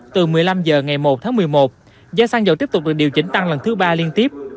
từ một mươi năm h ngày một tháng một mươi một giá xăng dầu tiếp tục được điều chỉnh tăng lần thứ ba liên tiếp